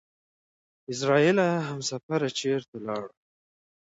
اعزرائيله همسفره چېرته لاړو؟!